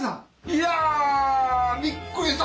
いやびっくりした！